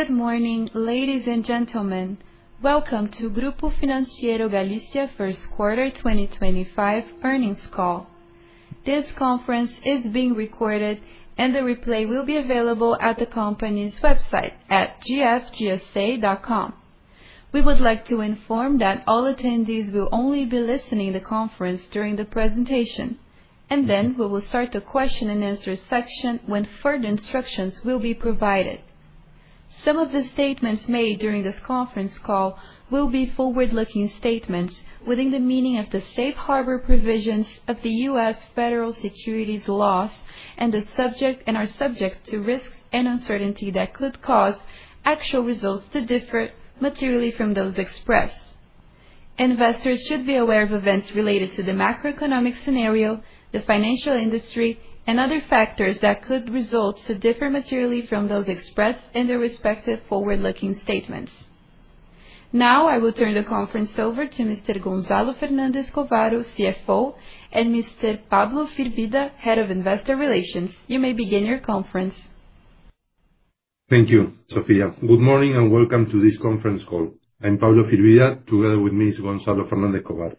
Good morning, ladies and gentlemen. Welcome to Grupo Financiero Galicia First Quarter 2025 earnings call. This conference is being recorded, and the replay will be available at the company's website at gfgsa.com. We would like to inform that all attendees will only be listening to the conference during the presentation, and then we will start the question-and-answer section when further instructions will be provided. Some of the statements made during this conference call will be forward-looking statements within the meaning of the safe harbor provisions of the U.S. Federal Securities Laws and are subject to risks and uncertainty that could cause actual results to differ materially from those expressed. Investors should be aware of events related to the macroeconomic scenario, the financial industry, and other factors that could result to differ materially from those expressed in their respective forward-looking statements. Now, I will turn the conference over to Mr. Gonzalo Fernández Covaro, CFO, and Mr. Pablo Firvida, Head of Investor Relations. You may begin your conference. Thank you, Sofía. Good morning and welcome to this conference call. I'm Pablo Firvida, together with Mr. Gonzalo Fernández Covaro.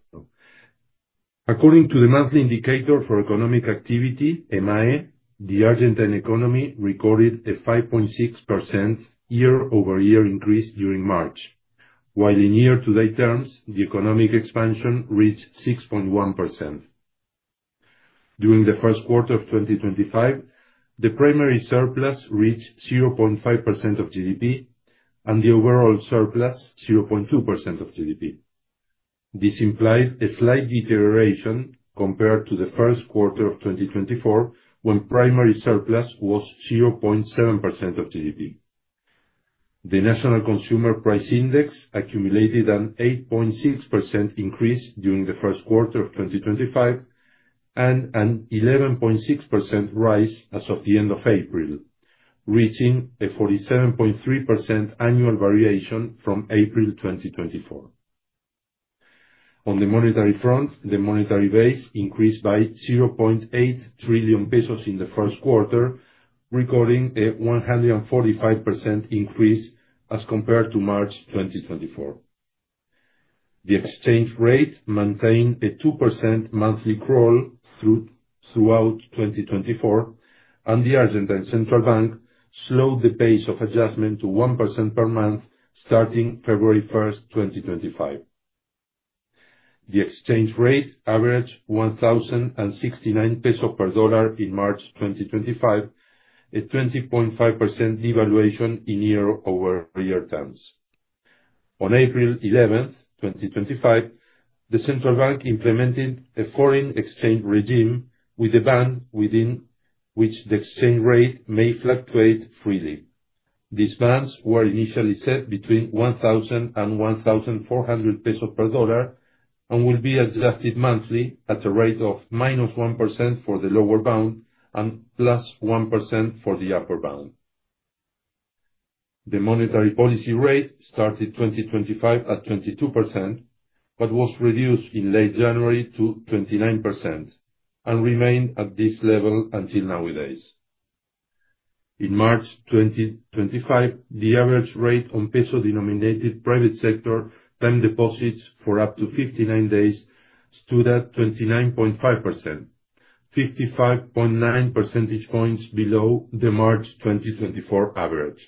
According to the monthly indicator for economic activity, EMAE, the Argentine economy recorded a 5.6% year-over-year increase during March, while in year-to-date terms, the economic expansion reached 6.1%. During the first quarter of 2025, the primary surplus reached 0.5% of GDP, and the overall surplus 0.2% of GDP. This implied a slight deterioration compared to the first quarter of 2024, when primary surplus was 0.7% of GDP. The National Consumer Price Index accumulated an 8.6% increase during the first quarter of 2025 and an 11.6% rise as of the end of April, reaching a 47.3% annual variation from April 2024. On the monetary front, the monetary base increased by 0.8 trillion pesos in the first quarter, recording a 145% increase as compared to March 2024. The exchange rate maintained a 2% monthly crawl throughout 2024, and the Argentine Central Bank slowed the pace of adjustment to 1% per month starting February 1, 2025. The exchange rate averaged 1,069 pesos per dollar in March 2025, a 20.5% devaluation in year-over-year terms. On April 11, 2025, the Central Bank implemented a foreign exchange regime with a band within which the exchange rate may fluctuate freely. These bands were initially set between 1,000-1,400 pesos per dollar and will be adjusted monthly at a rate of minus 1% for the lower bound and plus 1% for the upper bound. The monetary policy rate started 2025 at 22% but was reduced in late January to 29% and remained at this level until nowadays. In March 2025, the average rate on peso-denominated private sector time deposits for up to 59 days stood at 29.5%, 55.9 percentage points below the March 2024 average.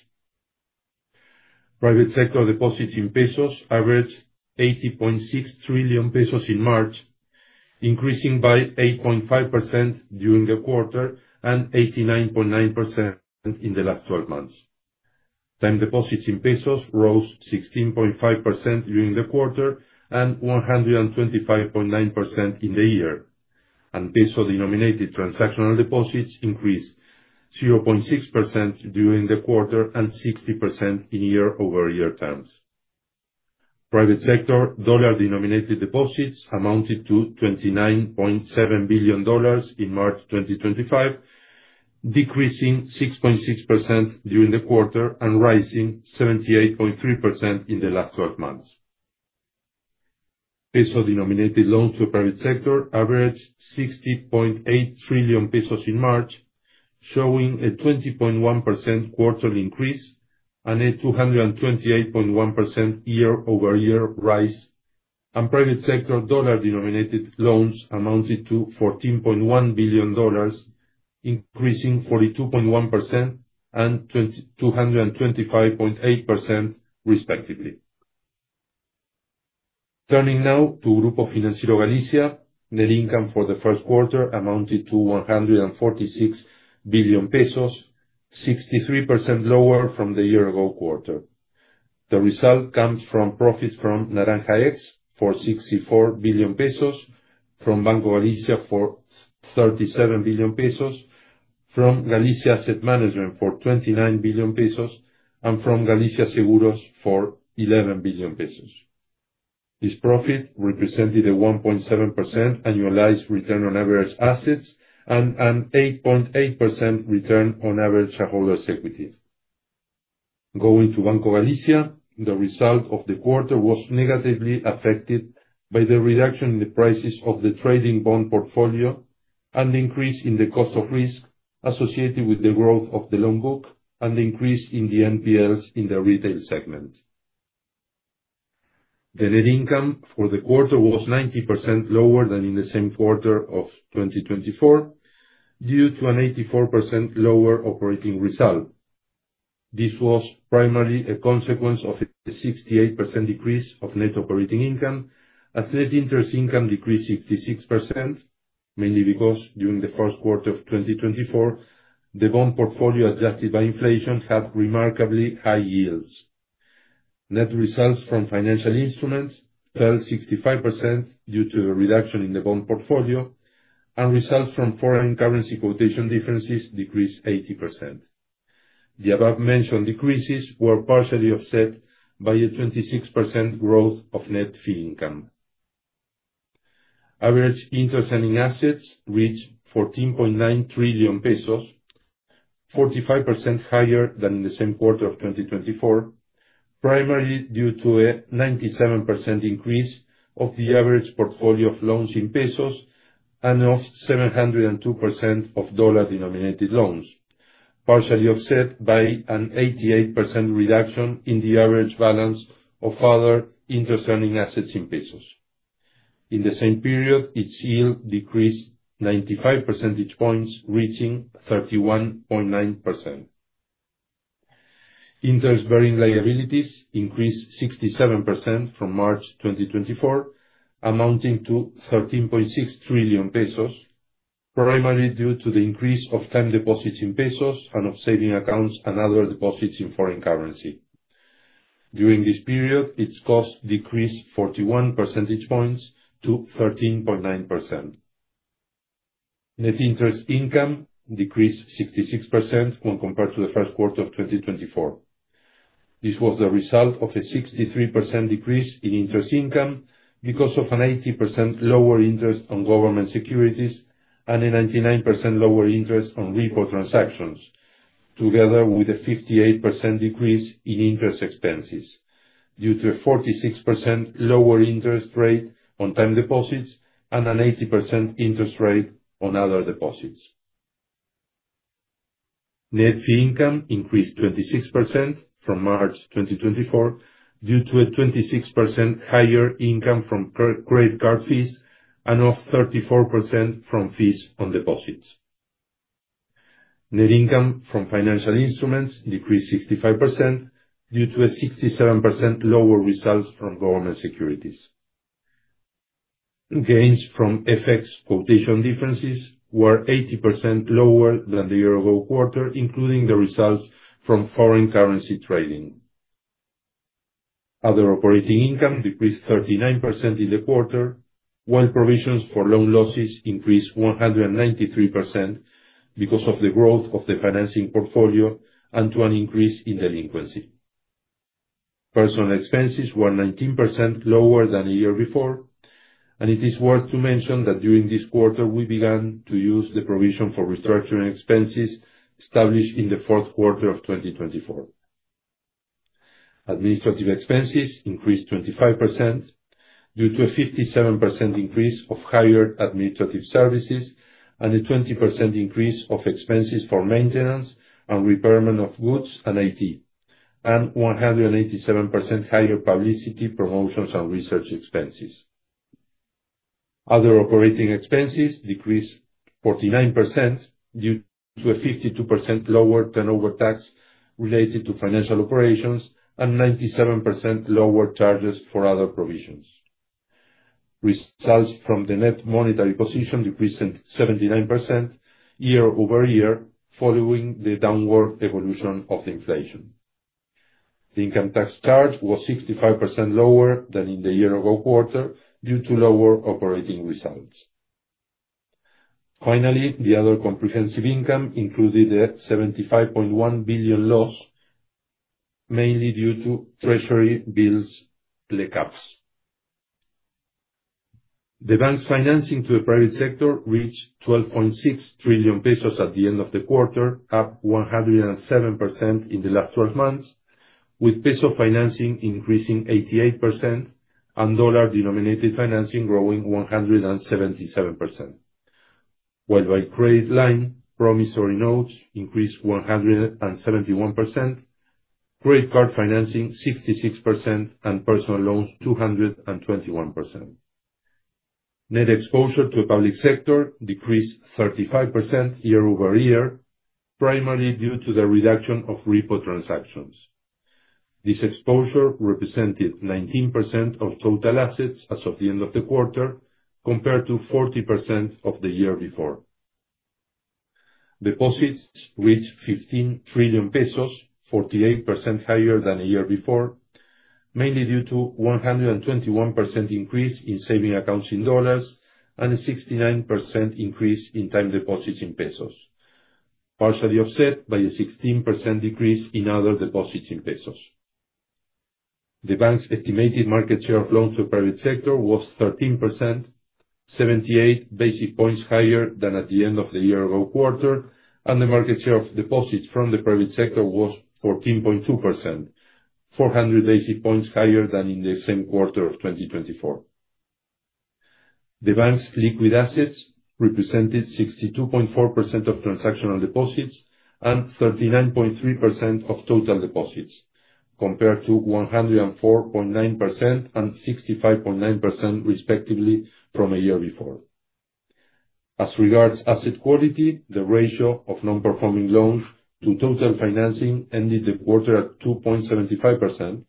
Private sector deposits in pesos averaged 80.6 trillion pesos in March, increasing by 8.5% during the quarter and 89.9% in the last 12 months. Time deposits in pesos rose 16.5% during the quarter and 125.9% in the year, and peso-denominated transactional deposits increased 0.6% during the quarter and 60% in year-over-year terms. Private sector dollar-denominated deposits amounted to $29.7 billion in March 2025, decreasing 6.6% during the quarter and rising 78.3% in the last 12 months. Peso-denominated loans to private sector averaged 60.8 trillion pesos in March, showing a 20.1% quarterly increase and a 228.1% year-over-year rise, and private sector dollar-denominated loans amounted to $14.1 billion, increasing 42.1% and 225.8%, respectively. Turning now to Grupo Financiero Galicia, net income for the first quarter amounted to 146 billion pesos, 63% lower from the year-ago quarter. The result comes from profits from Naranja X for 64 billion pesos, from Banco Galicia for 37 billion pesos, from Galicia Asset Management for 29 billion pesos, and from Galicia Seguros for 11 billion pesos. This profit represented a 1.7% annualized return on average assets and an 8.8% return on average holders' equity. Going to Banco Galicia, the result of the quarter was negatively affected by the reduction in the prices of the trading bond portfolio and the increase in the cost of risk associated with the growth of the loan book and the increase in the NPLs in the retail segment. The net income for the quarter was 90% lower than in the same quarter of 2024 due to an 84% lower operating result. This was primarily a consequence of a 68% decrease of net operating income, as net interest income decreased 66%, mainly because during the first quarter of 2024, the bond portfolio adjusted by inflation had remarkably high yields. Net results from financial instruments fell 65% due to the reduction in the bond portfolio, and results from foreign currency quotation differences decreased 80%. The above-mentioned decreases were partially offset by a 26% growth of net fee income. Average interest-earning assets reached 14.9 trillion pesos, 45% higher than in the same quarter of 2024, primarily due to a 97% increase of the average portfolio of loans in pesos and of 702% of dollar-denominated loans, partially offset by an 88% reduction in the average balance of other interest-earning assets in pesos. In the same period, its yield decreased 95 percentage points, reaching 31.9%. Interest-bearing liabilities increased 67% from March 2024, amounting to 13.6 trillion pesos, primarily due to the increase of time deposits in pesos and of saving accounts and other deposits in foreign currency. During this period, its cost decreased 41 percentage points to 13.9%. Net interest income decreased 66% when compared to the first quarter of 2024. This was the result of a 63% decrease in interest income because of an 80% lower interest on government securities and a 99% lower interest on repo transactions, together with a 58% decrease in interest expenses due to a 46% lower interest rate on time deposits and an 80% interest rate on other deposits. Net fee income increased 26% from March 2024 due to a 26% higher income from credit card fees and of 34% from fees on deposits. Net income from financial instruments decreased 65% due to a 67% lower result from government securities. Gains from FX quotation differences were 80% lower than the year-ago quarter, including the results from foreign currency trading. Other operating income decreased 39% in the quarter, while provisions for loan losses increased 193% because of the growth of the financing portfolio and to an increase in delinquency. Personal expenses were 19% lower than a year before, and it is worth mentioning that during this quarter, we began to use the provision for restructuring expenses established in the fourth quarter of 2024. Administrative expenses increased 25% due to a 57% increase of hired administrative services and a 20% increase of expenses for maintenance and repair of goods and IT, and 187% higher publicity, promotions, and research expenses. Other operating expenses decreased 49% due to a 52% lower turnover tax related to financial operations and 97% lower charges for other provisions. Results from the net monetary position decreased 79% year-over-year following the downward evolution of inflation. The income tax charge was 65% lower than in the year-ago quarter due to lower operating results. Finally, the other comprehensive income included a 75.1 billion loss, mainly due to treasury bills blackouts. The bank's financing to the private sector reached 12.6 trillion pesos at the end of the quarter, up 107% in the last 12 months, with peso financing increasing 88% and dollar-denominated financing growing 177%, while by credit line, promissory notes increased 171%, credit card financing 66%, and personal loans 221%. Net exposure to the public sector decreased 35% year-over-year, primarily due to the reduction of repo transactions. This exposure represented 19% of total assets as of the end of the quarter, compared to 40% of the year before. Deposits reached 15 trillion pesos, 48% higher than a year before, mainly due to a 121% increase in saving accounts in dollars and a 69% increase in time deposits in pesos, partially offset by a 16% decrease in other deposits in pesos. The bank's estimated market share of loans to the private sector was 13%, 78 basis points higher than at the end of the year-ago quarter, and the market share of deposits from the private sector was 14.2%, 400 basis points higher than in the same quarter of 2024. The bank's liquid assets represented 62.4% of transactional deposits and 39.3% of total deposits, compared to 104.9% and 65.9%, respectively, from a year before. As regards asset quality, the ratio of non-performing loans to total financing ended the quarter at 2.75%,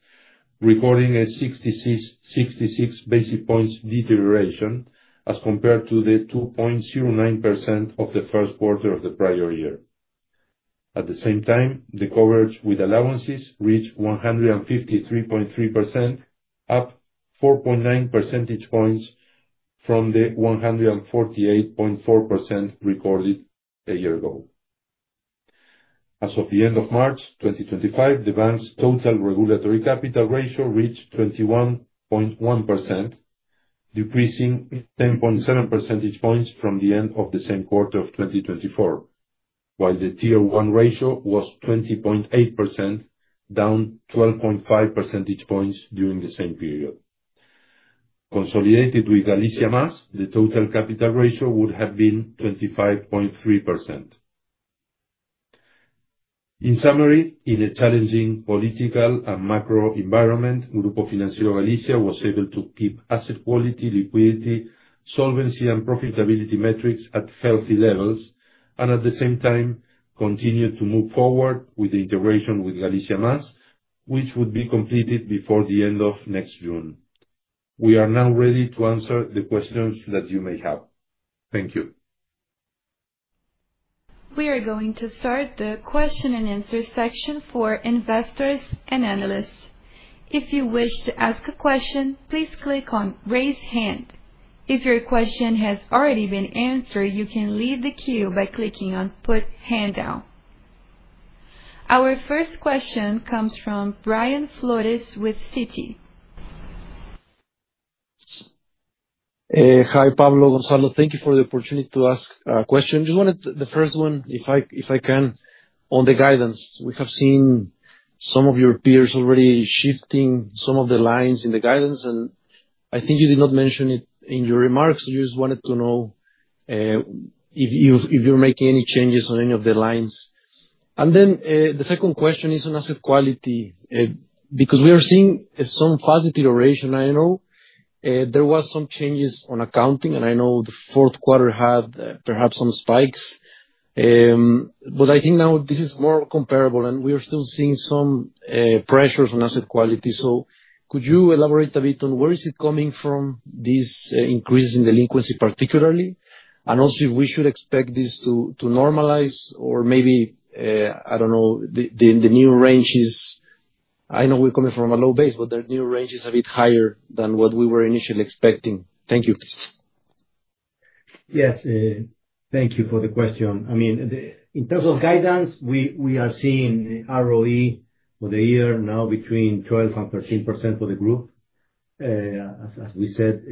recording a 66 basis points deterioration as compared to the 2.09% of the first quarter of the prior year. At the same time, the coverage with allowances reached 153.3%, up 4.9 percentage points from the 148.4% recorded a year ago. As of the end of March 2025, the bank's total regulatory capital ratio reached 21.1%, decreasing 10.7 percentage points from the end of the same quarter of 2024, while the tier-one ratio was 20.8%, down 12.5 percentage points during the same period. Consolidated with Galicia Más, the total capital ratio would have been 25.3%. In summary, in a challenging political and macro environment, Grupo Financiero Galicia was able to keep asset quality, liquidity, solvency, and profitability metrics at healthy levels and, at the same time, continued to move forward with the integration with Galicia Más, which would be completed before the end of next June. We are now ready to answer the questions that you may have. Thank you. We are going to start the question and answer section for investors and analysts. If you wish to ask a question, please click on "Raise Hand." If your question has already been answered, you can leave the queue by clicking on "Put Hand Down." Our first question comes from Brian Flores with Citi. Hi, Pablo, Gonzalo. Thank you for the opportunity to ask a question. Just wanted the first one, if I can, on the guidance. We have seen some of your peers already shifting some of the lines in the guidance, and I think you did not mention it in your remarks, so I just wanted to know if you're making any changes on any of the lines. The second question is on asset quality because we are seeing some fast deterioration. I know there were some changes on accounting, and I know the fourth quarter had perhaps some spikes, but I think now this is more comparable, and we are still seeing some pressures on asset quality. Could you elaborate a bit on where is it coming from, these increases in delinquency particularly, and also if we should expect this to normalize or maybe, I do not know, the new range is, I know we are coming from a low base, but the new range is a bit higher than what we were initially expecting. Thank you. Yes. Thank you for the question. I mean, in terms of guidance, we are seeing ROE for the year now between 12% and 13% for the group. As we said,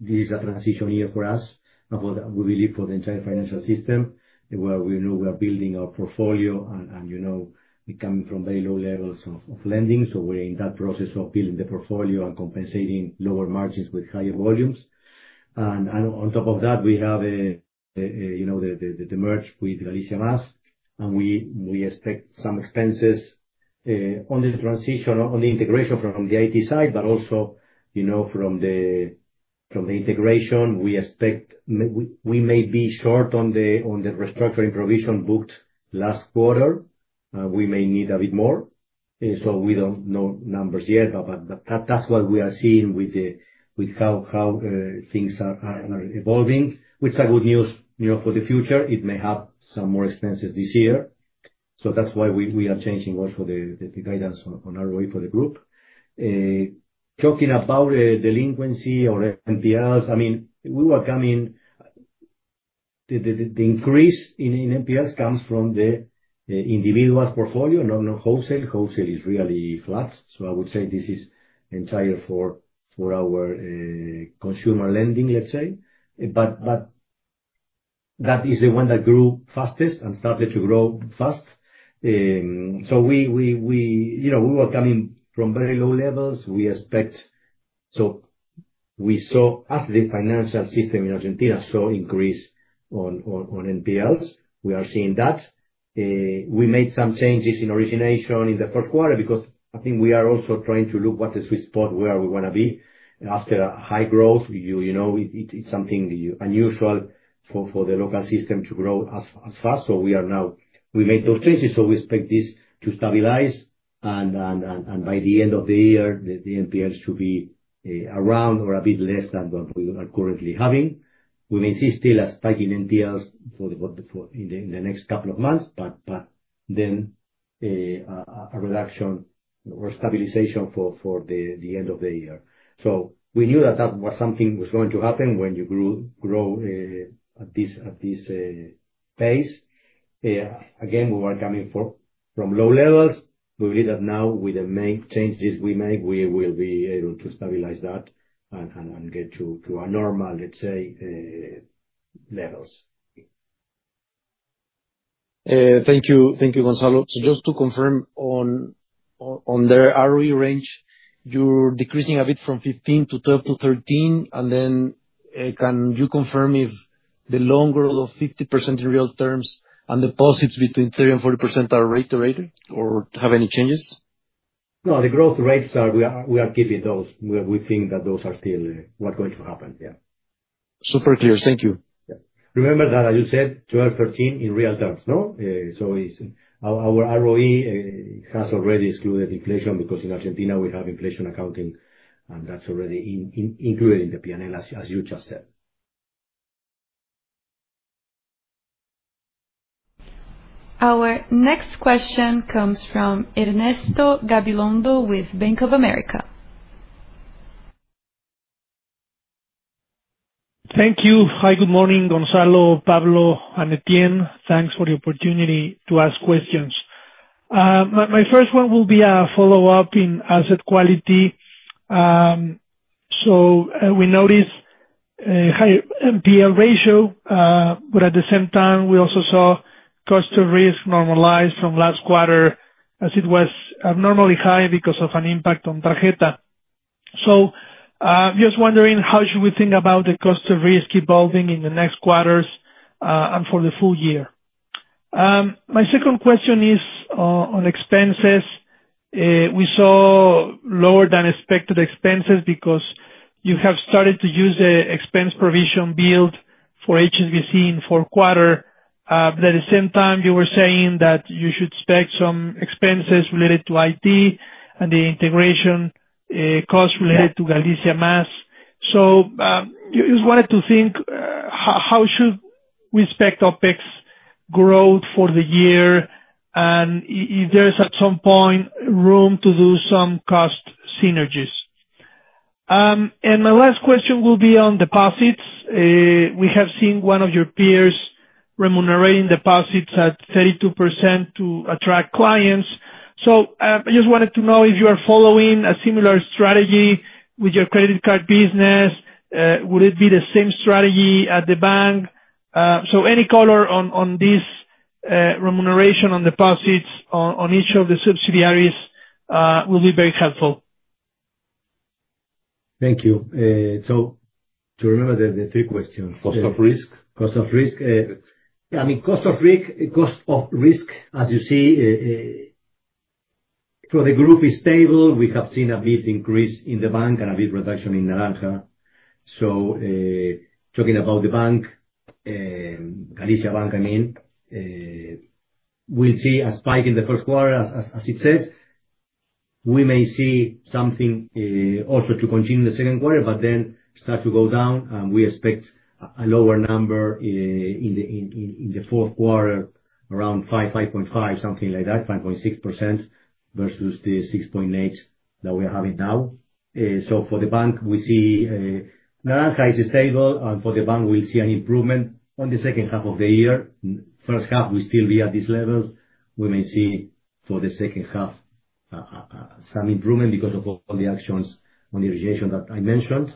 this is a transition year for us and we believe for the entire financial system where we know we are building our portfolio and we are coming from very low levels of lending. We are in that process of building the portfolio and compensating lower margins with higher volumes. On top of that, we have the merge with Galicia Más, and we expect some expenses on the transition, on the integration from the IT side, but also from the integration, we expect we may be short on the restructuring provision booked last quarter. We may need a bit more. We do not know numbers yet, but that is what we are seeing with how things are evolving, which is good news for the future. It may have some more expenses this year. That is why we are changing also the guidance on ROE for the group. Talking about delinquency or NPLs, I mean, the increase in NPLs comes from the individual portfolio, not wholesale. Wholesale is really flat. I would say this is entirely for our consumer lending, let's say. That is the one that grew fastest and started to grow fast. We were coming from very low levels. We expect, so we saw, as the financial system in Argentina saw increase on NPLs, we are seeing that. We made some changes in origination in the fourth quarter because I think we are also trying to look what the sweet spot where we want to be after high growth. It is something unusual for the local system to grow as fast. We made those changes. We expect this to stabilize, and by the end of the year, the NPLs should be around or a bit less than what we are currently having. We may see still a spike in NPLs in the next couple of months, but then a reduction or stabilization for the end of the year. We knew that that was something that was going to happen when you grow at this pace. Again, we were coming from low levels. We believe that now with the main change we made, we will be able to stabilize that and get to our normal, let's say, levels. Thank you, Gonzalo. Just to confirm, on the ROE range, you're decreasing a bit from 15% to 12%-13%, and then can you confirm if the loan growth of 50% in real terms and deposits between 30%-40% are rate-related or have any changes? No, the growth rates are we are keeping those. We think that those are still what's going to happen. Yeah. Super clear. Thank you. Remember that you said 12%-13% in real terms, no? Our ROE has already excluded inflation because in Argentina, we have inflation accounting, and that's already included in the P&L, as you just said. Our next question comes from Ernesto Gabilondo with Bank of America. Thank you. Hi, good morning, Gonzalo, Pablo, and Etienne. Thanks for the opportunity to ask questions. My first one will be a follow-up in asset quality. We noticed a higher NPL ratio, but at the same time, we also saw cost of risk normalize from last quarter as it was abnormally high because of an impact on tarjeta. I'm just wondering how should we think about the cost of risk evolving in the next quarters and for the full year. My second question is on expenses. We saw lower than expected expenses because you have started to use the expense provision built for HSBC in fourth quarter. At the same time, you were saying that you should expect some expenses related to IT and the integration cost related to Galicia Más. I just wanted to think how should we expect OpEx growth for the year and if there is at some point room to do some cost synergies. My last question will be on deposits. We have seen one of your peers remunerating deposits at 32% to attract clients. I just wanted to know if you are following a similar strategy with your credit card business. Would it be the same strategy at the bank? Any color on this remuneration on deposits on each of the subsidiaries will be very helpful. Thank you. To remember the three questions. Cost of risk. Cost of risk. I mean, cost of risk, as you see, for the group is stable. We have seen a big increase in the bank and a big reduction in Naranja. Talking about the bank, Galicia Bank, I mean, we'll see a spike in the first quarter, as it says. We may see something also to continue in the second quarter, but then start to go down, and we expect a lower number in the fourth quarter, around 5.5%, something like that, 5.6% versus the 6.8% that we are having now. For the bank, we see Naranja is stable, and for the bank, we'll see an improvement on the second half of the year. First half, we'll still be at these levels. We may see for the second half some improvement because of all the actions on the irrigation that I mentioned.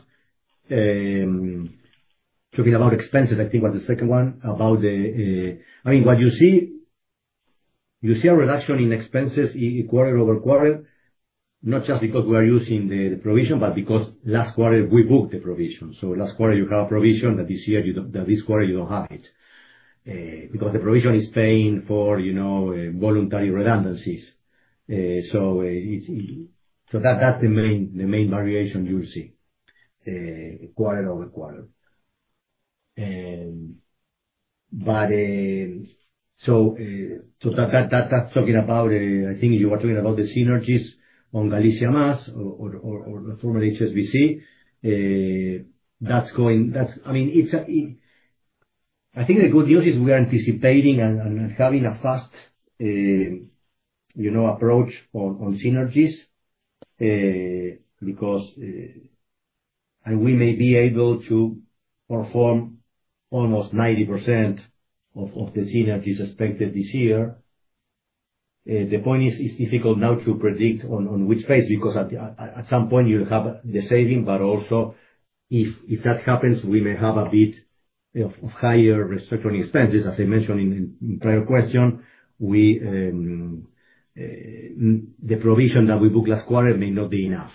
Talking about expenses, I think was the second one. I mean, what you see, you see a reduction in expenses quarter over quarter, not just because we are using the provision, but because last quarter, we booked the provision. Last quarter, you have a provision that this quarter, you do not have because the provision is paying for voluntary redundancies. That is the main variation you will see quarter over quarter. That is talking about, I think you were talking about the synergies on Galicia Más or former HSBC. I mean, I think the good news is we are anticipating and having a fast approach on synergies because we may be able to perform almost 90% of the synergies expected this year. The point is it is difficult now to predict on which phase because at some point, you will have the saving, but also if that happens, we may have a bit of higher restructuring expenses. As I mentioned in the prior question, the provision that we booked last quarter may not be enough.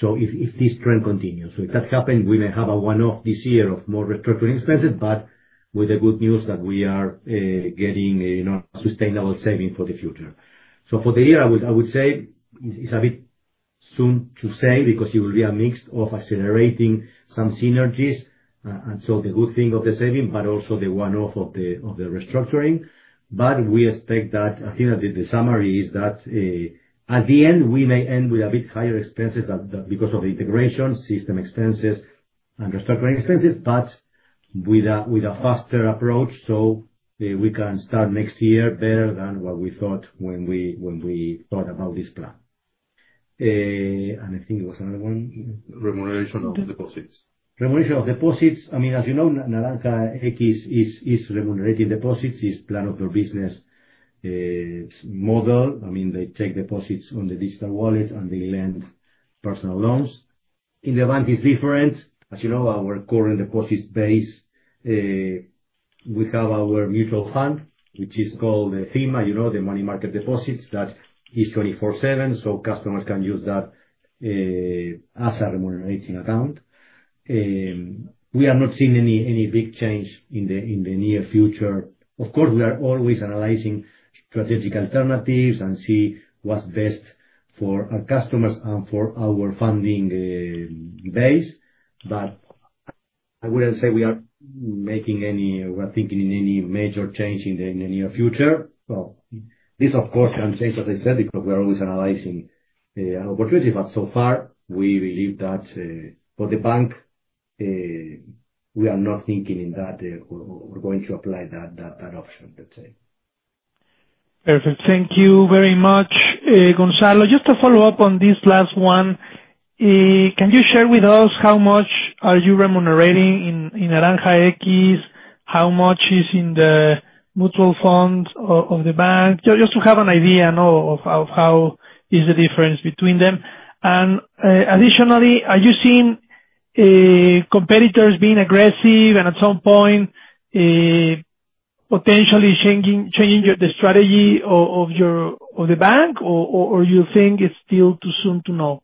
If this trend continues, if that happens, we may have a one-off this year of more restructuring expenses, with the good news that we are getting sustainable savings for the future. For the year, I would say it's a bit soon to say because it will be a mix of accelerating some synergies, the good thing of the saving, but also the one-off of the restructuring. We expect that I think that the summary is that at the end, we may end with a bit higher expenses because of the integration system expenses and restructuring expenses, with a faster approach so we can start next year better than what we thought when we thought about this plan. I think it was another one. Remuneration of deposits. Remuneration of deposits. I mean, as you know, Naranja X is remunerating deposits. It's a plan of their business model. I mean, they take deposits on the digital wallet, and they lend personal loans. In the bank, it's different. As you know, our current deposits base, we have our mutual fund, which is called the FEMA, the money market deposits. That is 24/7, so customers can use that as a remunerating account. We are not seeing any big change in the near future. Of course, we are always analyzing strategic alternatives and see what's best for our customers and for our funding base. I wouldn't say we are thinking of any major change in the near future. This, of course, can change, as I said, because we are always analyzing an opportunity. So far, we believe that for the bank, we are not thinking in that we are going to apply that option, let's say. Perfect. Thank you very much, Gonzalo. Just to follow up on this last one, can you share with us how much are you remunerating in Naranja X? How much is in the mutual funds of the bank? Just to have an idea of how is the difference between them. Additionally, are you seeing competitors being aggressive and at some point potentially changing the strategy of the bank, or do you think it's still too soon to know?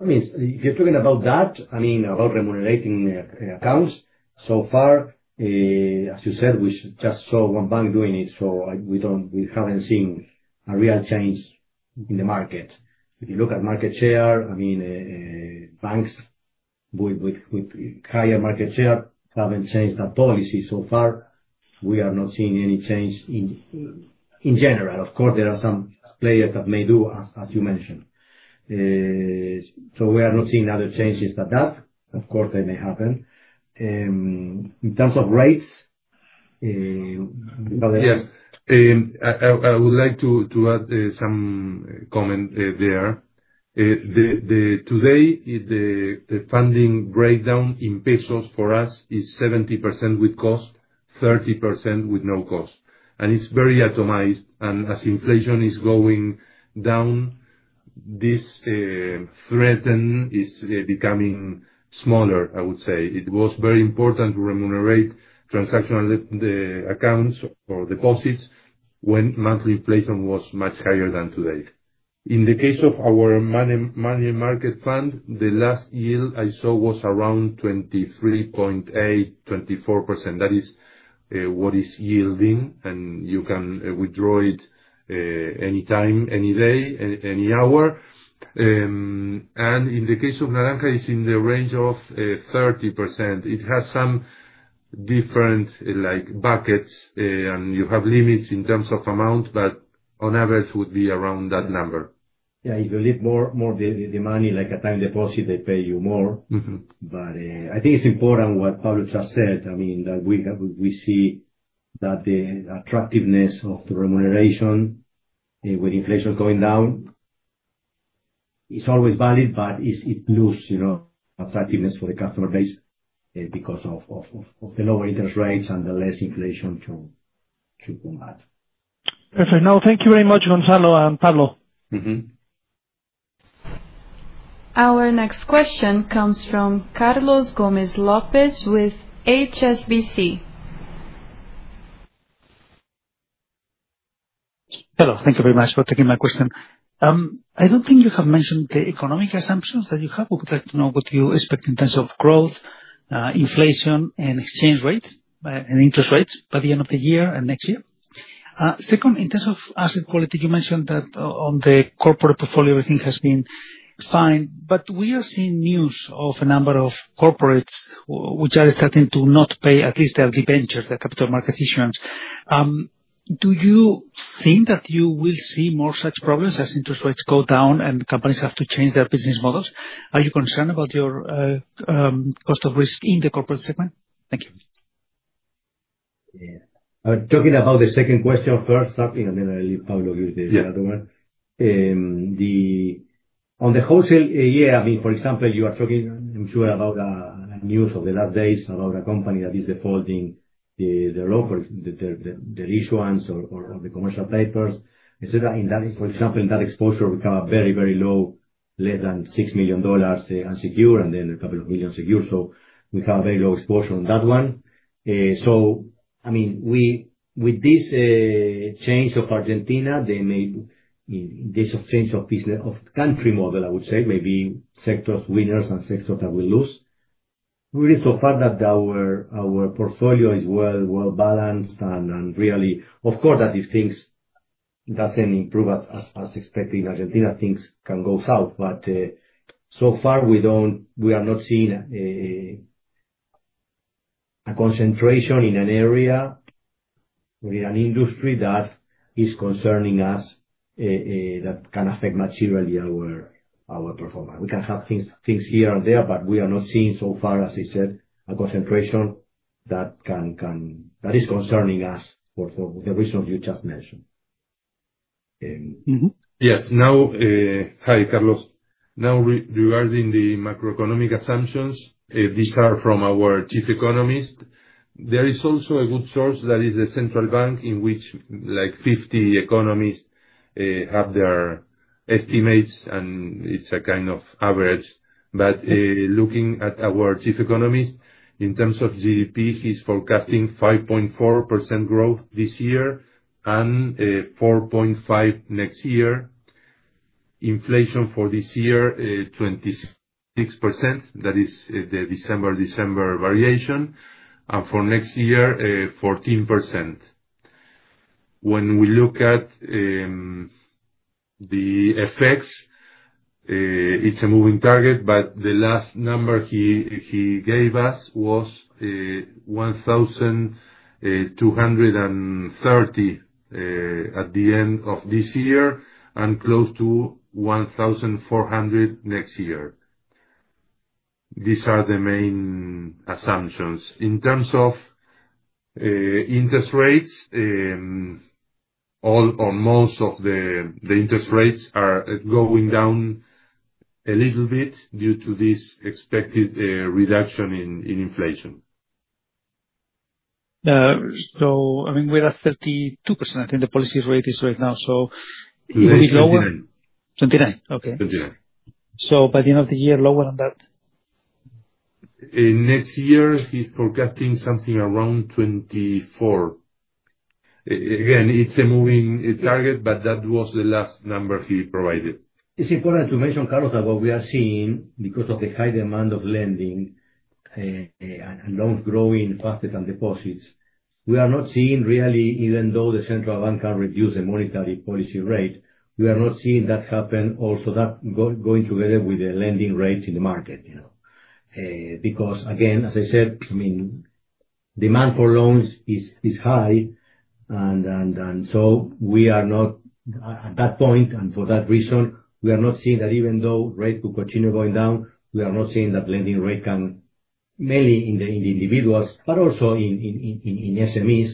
I mean, if you are talking about that, I mean, about remunerating accounts, so far, as you said, we just saw one bank doing it. We have not seen a real change in the market. If you look at market share, I mean, banks with higher market share have not changed that policy so far. We are not seeing any change in general. Of course, there are some players that may do, as you mentioned. We are not seeing other changes than that. Of course, they may happen. In terms of rates, yes. I would like to add some comment there. Today, the funding breakdown in pesos for us is 70% with cost, 30% with no cost. It is very atomized. As inflation is going down, this threaten is becoming smaller, I would say. It was very important to remunerate transactional accounts or deposits when monthly inflation was much higher than today. In the case of our money market fund, the last yield I saw was around 23.8%-24%. That is what it is yielding, and you can withdraw it anytime, any day, any hour. In the case of Naranja, it's in the range of 30%. It has some different buckets, and you have limits in terms of amount, but on average, it would be around that number. Yeah. If you leave more of the money, like a time deposit, they pay you more. I think it's important what Pablo just said. I mean, that we see that the attractiveness of the remuneration with inflation going down is always valid, but it loses attractiveness for the customer base because of the lower interest rates and the less inflation to combat. Perfect. Thank you very much, Gonzalo and Pablo. Our next question comes from Carlos Gomez-Lopez with HSBC. Hello. Thank you very much for taking my question. I don't think you have mentioned the economic assumptions that you have. We would like to know what you expect in terms of growth, inflation, and exchange rate and interest rates by the end of the year and next year. Second, in terms of asset quality, you mentioned that on the corporate portfolio, everything has been fine, but we are seeing news of a number of corporates which are starting to not pay, at least their debentures, their capital market issuance. Do you think that you will see more such problems as interest rates go down and companies have to change their business models? Are you concerned about your cost of risk in the corporate segment? Thank you. Talking about the second question, first, I mean, I'll leave Pablo give you the other one. On the wholesale year, I mean, for example, you are talking, I'm sure, about news of the last days about a company that is defaulting their loan, their issuance, or the commercial papers, etc. For example, in that exposure, we have a very, very low, less than $6 million unsecured, and then a couple of million secured. So we have a very low exposure on that one. I mean, with this change of Argentina, this change of country model, I would say, maybe sectors winners and sectors that will lose. We're in so far that our portfolio is well-balanced and really, of course, that if things don't improve as expected in Argentina, things can go south. So far, we are not seeing a concentration in an area or in an industry that is concerning us that can affect materially our performance. We can have things here and there, but we are not seeing so far, as I said, a concentration that is concerning us for the reasons you just mentioned. Yes. Hi, Carlos. Now, regarding the macroeconomic assumptions, these are from our Chief Economist. There is also a good source that is the central bank in which 50 economists have their estimates, and it's a kind of average. Looking at our Chief Economist, in terms of GDP, he's forecasting 5.4% growth this year and 4.5% next year. Inflation for this year, 26%. That is the December-December variation. For next year, 14%. When we look at the effects, it's a moving target, but the last number he gave us was 1,230 at the end of this year and close to 1,400 next year. These are the main assumptions. In terms of interest rates, all or most of the interest rates are going down a little bit due to this expected reduction in inflation. I mean, we have 32% in the policy rate right now, so it will be lower. 29. 29. Okay. 29. By the end of the year, lower than that? Next year, he is forecasting something around 24%. Again, it is a moving target, but that was the last number he provided. It is important to mention, Carlos, that what we are seeing because of the high demand of lending and loans growing faster than deposits, we are not seeing really, even though the central bank can reduce the monetary policy rate, we are not seeing that happen also going together with the lending rates in the market. Because again, as I said, I mean, demand for loans is high, and we are not at that point, and for that reason, we are not seeing that even though rates will continue going down, we are not seeing that lending rate can, mainly in the individuals, but also in SMEs,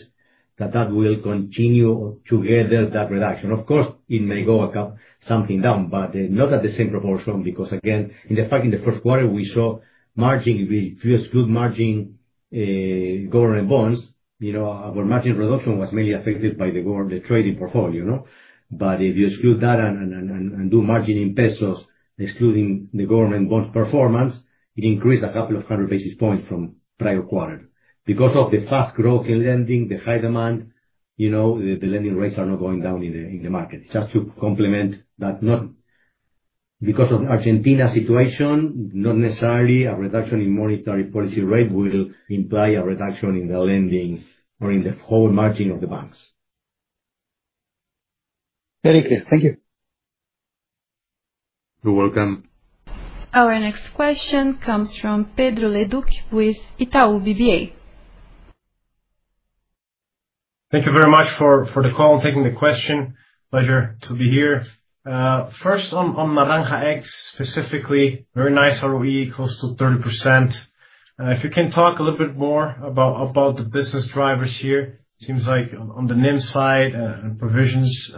that that will continue to gather that reduction. Of course, it may go something down, but not at the same proportion because, again, in fact, in the first quarter, we saw margin, if you exclude margin government bonds, our margin reduction was mainly affected by the trading portfolio. If you exclude that and do margin in pesos, excluding the government bonds performance, it increased a couple of hundred basis points from prior quarter. Because of the fast growth in lending, the high demand, the lending rates are not going down in the market. Just to complement that, because of Argentina's situation, not necessarily a reduction in monetary policy rate will imply a reduction in the lending or in the whole margin of the banks. Very clear. Thank you. You're welcome. Our next question comes from Pedro Leduc with Itaú BBA. Thank you very much for the call and taking the question. Pleasure to be here. First, on Naranja X specifically, very nice ROE, close to 30%. If you can talk a little bit more about the business drivers here, it seems like on the NIM side and provisions,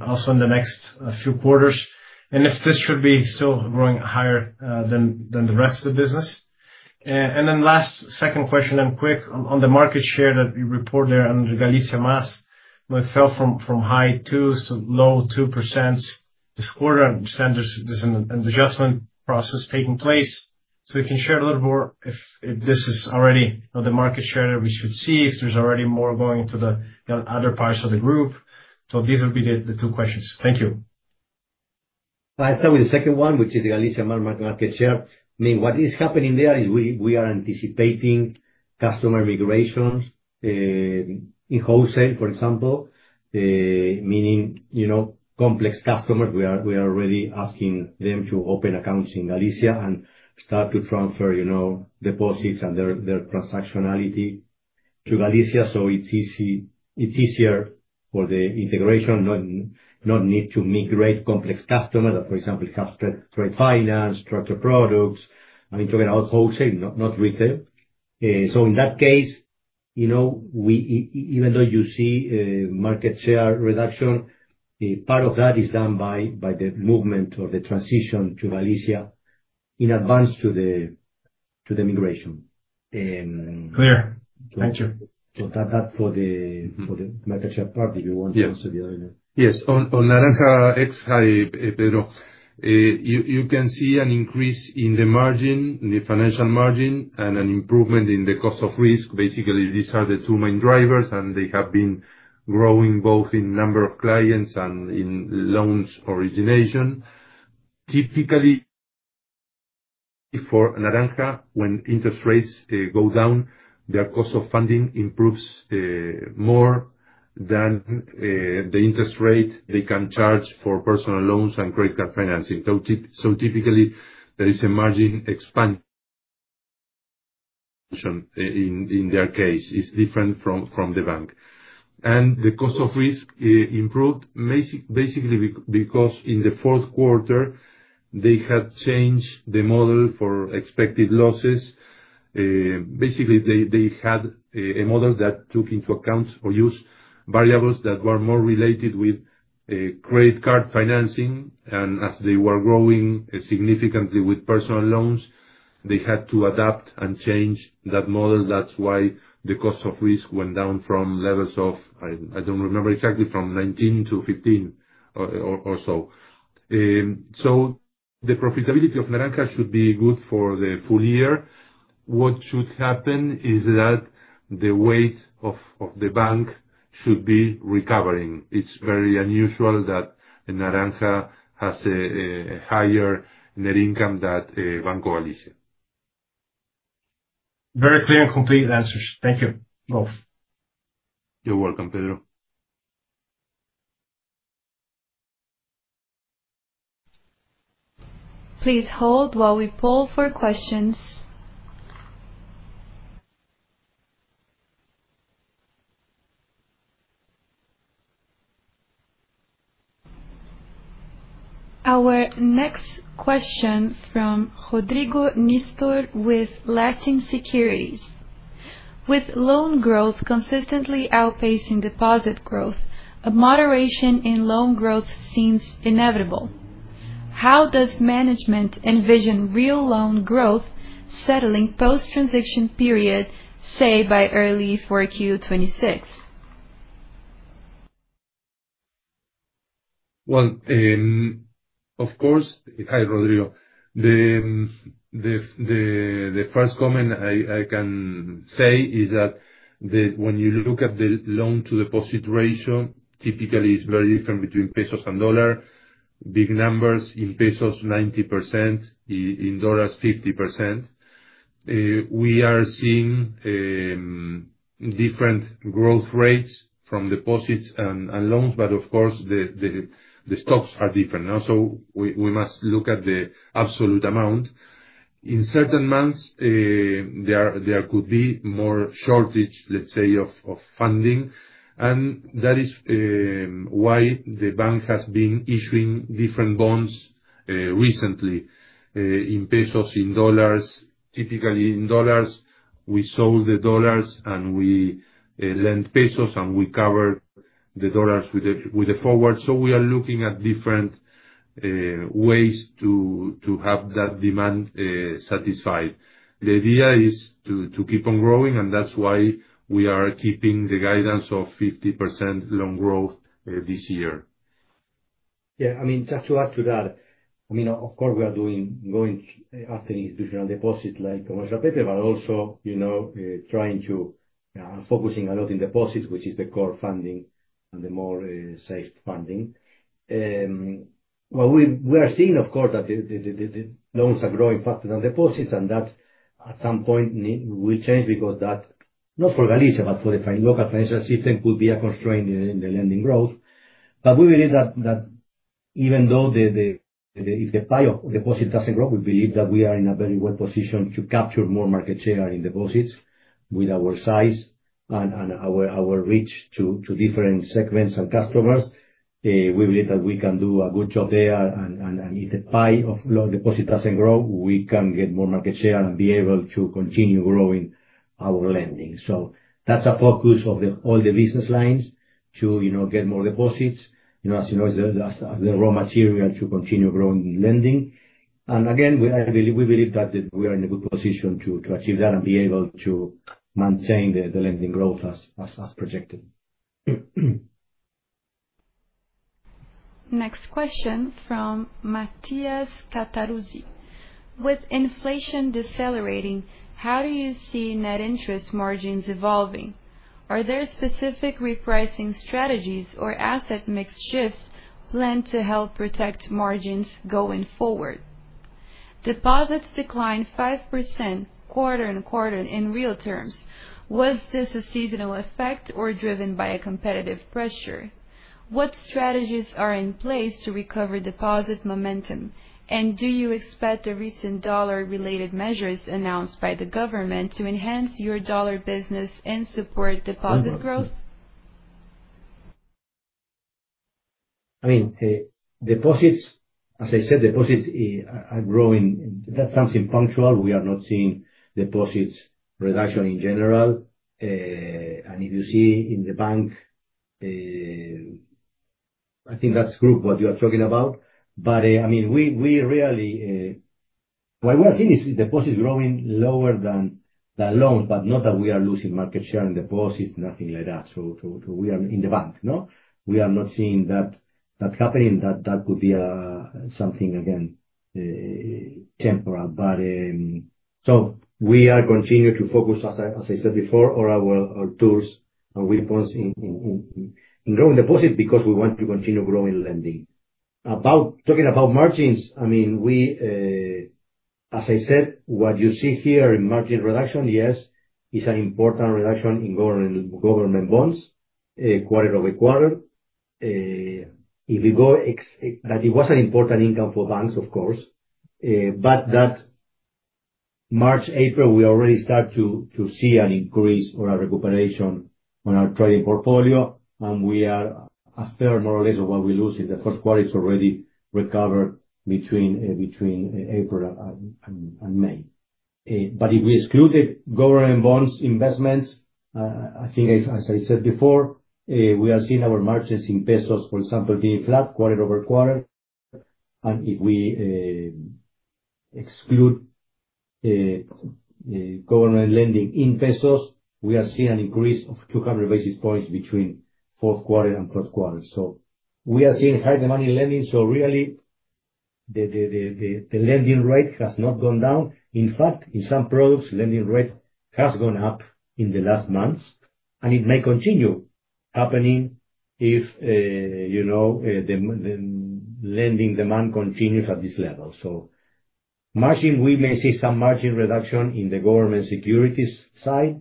also in the next few quarters, and if this should be still growing higher than the rest of the business. And then last second question and quick on the market share that you report there under Galicia Más, it fell from high 2s to low 2% this quarter, and there's an adjustment process taking place. You can share a little bit more if this is already the market share that we should see, if there is already more going to the other parts of the group. These will be the two questions. Thank you. I'll start with the second one, which is the Galicia market share. I mean, what is happening there is we are anticipating customer migrations in wholesale, for example, meaning complex customers. We are already asking them to open accounts in Galicia and start to transfer deposits and their transactionality to Galicia. It is easier for the integration, not needing to migrate complex customers that, for example, have trade finance, structured products. I mean, talking about wholesale, not retail. In that case, even though you see market share reduction, part of that is done by the movement or the transition to Galicia in advance to the migration. Clear. Thank you. That is for the market share part if you want to answer the other one. Yes. On Naranja X, hi, Pedro. You can see an increase in the margin, the financial margin, and an improvement in the cost of risk. Basically, these are the two main drivers, and they have been growing both in number of clients and in loans origination. Typically, for Naranja, when interest rates go down, their cost of funding improves more than the interest rate they can charge for personal loans and credit card financing. Typically, there is a margin expansion in their case. It is different from the bank. The cost of risk improved basically because in the fourth quarter, they had changed the model for expected losses. Basically, they had a model that took into account or used variables that were more related with credit card financing. As they were growing significantly with personal loans, they had to adapt and change that model. That is why the cost of risk went down from levels of, I do not remember exactly, from 19 to 15 or so. The profitability of Naranja should be good for the full year. What should happen is that the weight of the bank should be recovering. It is very unusual that Naranja has a higher net income than Banco Galicia. Very clear and complete answers. Thank you both. You are welcome, Pedro. Please hold while we poll for questions. Our next question from Rodrigo Nistor with Latin Securities. With loan growth consistently outpacing deposit growth, a moderation in loan growth seems inevitable. How does management envision real loan growth settling post-transaction period, say, by early 4Q 2026? Of course. Hi, Rodrigo. The first comment I can say is that when you look at the loan-to-deposit ratio, typically, it's very different between pesos and dollars. Big numbers in pesos, 90%; in dollars, 50%. We are seeing different growth rates from deposits and loans, but of course, the stocks are different. We must look at the absolute amount. In certain months, there could be more shortage, let's say, of funding. That is why the bank has been issuing different bonds recently in pesos, in dollars. Typically, in dollars, we sold the dollars and we lent pesos, and we covered the dollars with a forward. We are looking at different ways to have that demand satisfied. The idea is to keep on growing, and that's why we are keeping the guidance of 50% loan growth this year. Yeah. I mean, just to add to that, I mean, of course, we are going after institutional deposits like commercial paper, but also trying to focus a lot on deposits, which is the core funding and the more safe funding. What we are seeing, of course, is that the loans are growing faster than deposits, and that at some point will change because that, not for Galicia, but for the local financial system, could be a constraint in the lending growth. We believe that even though if the pie of deposit does not grow, we believe that we are very well-positioned to capture more market share in deposits with our size and our reach to different segments and customers. We believe that we can do a good job there. If the pie of deposit does not grow, we can get more market share and be able to continue growing our lending. That is a focus of all the business lines to get more deposits, as you know, as the raw material to continue growing lending. Again, we believe that we are in a good position to achieve that and be able to maintain the lending growth as projected. Next question from Matías Cattaruzzi. With inflation decelerating, how do you see net interest margins evolving? Are there specific repricing strategies or asset mix shifts planned to help protect margins going forward? Deposits declined 5% quarter on quarter in real terms. Was this a seasonal effect or driven by competitive pressure? What strategies are in place to recover deposit momentum? Do you expect the recent dollar-related measures announced by the government to enhance your dollar business and support deposit growth? I mean, deposits, as I said, deposits are growing. That is something punctual. We are not seeing deposits reduction in general. If you see in the bank, I think that is group what you are talking about. I mean, we really what we are seeing is deposits growing lower than loans, but not that we are losing market share in deposits, nothing like that. We are in the bank. We are not seeing that happening. That could be something, again, temporal. We are continuing to focus, as I said before, on our tools and weapons in growing deposits because we want to continue growing lending. Talking about margins, I mean, as I said, what you see here in margin reduction, yes, is an important reduction in government bonds quarter over quarter. It was an important income for banks, of course. That March, April, we already start to see an increase or a recuperation on our trading portfolio, and we are a third, more or less, of what we lose in the first quarter. It is already recovered between April and May. If we exclude the government bonds investments, I think, as I said before, we are seeing our margins in pesos, for example, being flat quarter over quarter. If we exclude government lending in pesos, we are seeing an increase of 200 basis points between fourth quarter and third quarter. We are seeing high-demand lending. Really, the lending rate has not gone down. In fact, in some products, lending rate has gone up in the last months, and it may continue happening if the lending demand continues at this level. Margin, we may see some margin reduction in the government securities side.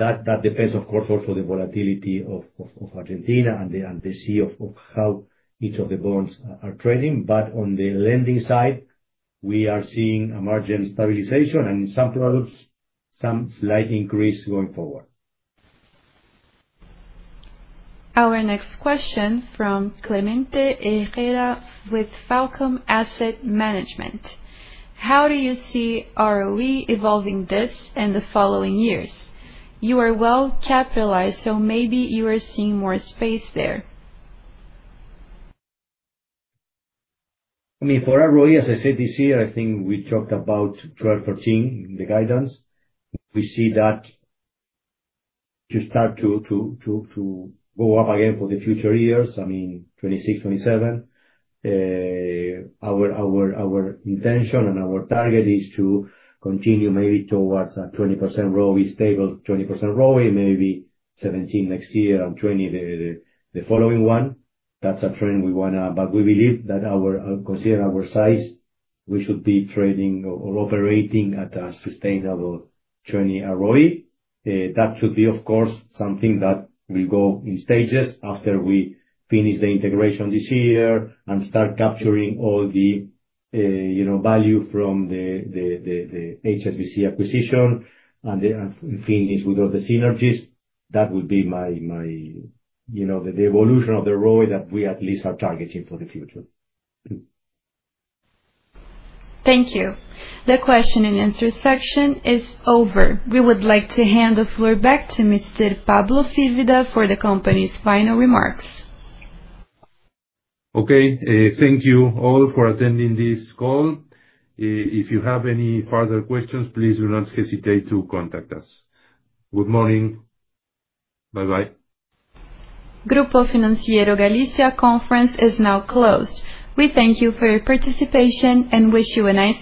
That depends, of course, also on the volatility of Argentina and the sea of how each of the bonds are trading. On the lending side, we are seeing a margin stabilization, and in some products, some slight increase going forward. Our next question from Clemente Herrera with Falcom Asset Management. How do you see ROE evolving this and the following years? You are well-capitalized, so maybe you are seeing more space there. I mean, for ROE, as I said this year, I think we talked about 12, 13 in the guidance. We see that to start to go up again for the future years, I mean, 2026, 2027, our intention and our target is to continue maybe towards a 20% ROE, stable 20% ROE, maybe 17% next year and 20% the following one. That is a trend we want to. We believe that considering our size, we should be trading or operating at a sustainable 20% ROE. That should be, of course, something that will go in stages after we finish the integration this year and start capturing all the value from the HSBC acquisition and finish with all the synergies. That would be the evolution of the ROE that we at least are targeting for the future. Thank you. The question and answer section is over. We would like to hand the floor back to Mr. Pablo Firvida for the company's final remarks. Okay. Thank you all for attending this call. If you have any further questions, please do not hesitate to contact us. Good morning. Bye-bye. Grupo Financiero Galicia conference is now closed. We thank you for your participation and wish you an.